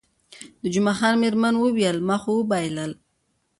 د جمعه خان میرمنې وویل، ما خو وبایلل.